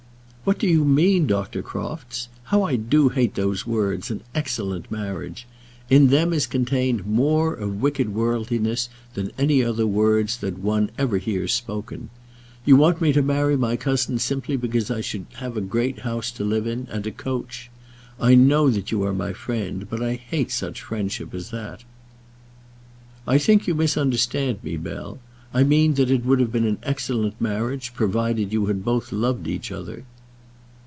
"What do you mean, Dr. Crofts? How I do hate those words, 'an excellent marriage.' In them is contained more of wicked worldliness than any other words that one ever hears spoken. You want me to marry my cousin simply because I should have a great house to live in, and a coach. I know that you are my friend; but I hate such friendship as that." "I think you misunderstand me, Bell. I mean that it would have been an excellent marriage, provided you had both loved each other."